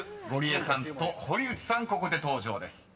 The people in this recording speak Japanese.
ここで登場です］